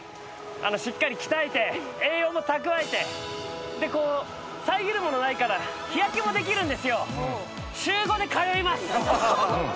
しっかり鍛えて栄養も蓄えてこう遮るものないから日焼けもできるんですよ。